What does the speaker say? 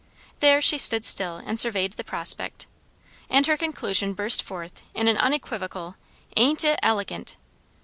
There she stood still and surveyed the prospect. And her conclusion burst forth in an unequivocal, "Ain't it elegant!"